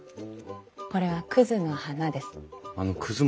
これはクズの花です。